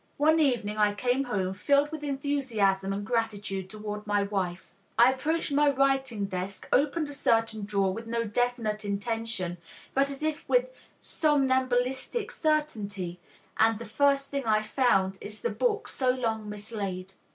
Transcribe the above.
One evening I came home filled with enthusiasm and gratitude toward my wife. I approached my writing desk, opened a certain drawer with no definite intention but as if with somnambulistic certainty, and the first thing I found is the book so long mislaid."